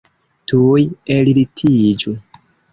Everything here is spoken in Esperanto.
Tuj ellitiĝu!